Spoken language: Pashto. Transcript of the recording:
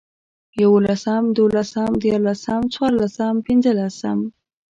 يوولسم، دوولسم، ديارلسم، څلورلسم، پنځلسم